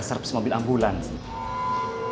serbs mobil ambulans